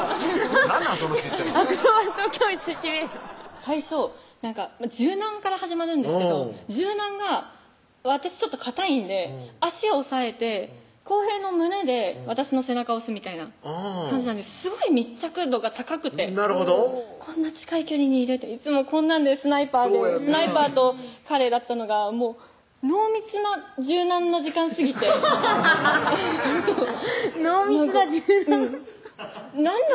最初柔軟から始まるんですけど柔軟が私ちょっとかたいんで脚押さえて晃平の胸で私の背中押すみたいな感じなんですごい密着度が高くてなるほどこんな近い距離にいるっていつもこんなんでスナイパーでスナイパーと彼だったのがもう濃密な柔軟の時間すぎて濃密な柔軟なんだ